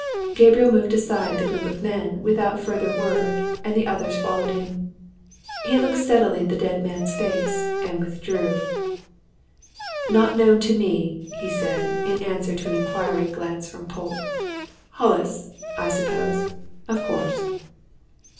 Gabriel moved aside the group of men without further word, and the others followed him. He looked steadily at the dead man's face and withdrew. "Not known to me," he said, in answer to an inquiring glance from Polke. "Hollis, I suppose, of course."